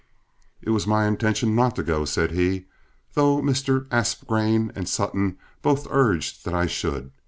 "It was my intention not to go," said he, "though Mr. Aspgrain and Sutton both urged that I should.